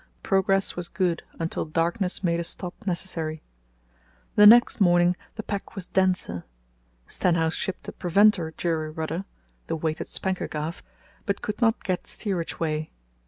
Progress was good until darkness made a stop necessary. The next morning the pack was denser. Stenhouse shipped a preventer jury rudder (the weighted spanker gaff), but could not get steerage way.